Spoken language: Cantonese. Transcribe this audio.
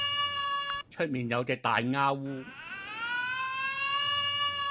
出面有只大鴉烏